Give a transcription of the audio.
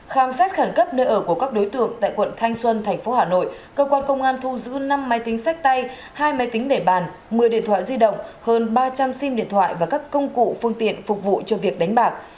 khám xét khẩn cấp nơi ở của các đối tượng tại quận thanh xuân thành phố hà nội cơ quan công an thu giữ năm máy tính sách tay hai máy tính để bàn một mươi điện thoại di động hơn ba trăm linh sim điện thoại và các công cụ phương tiện phục vụ cho việc đánh bạc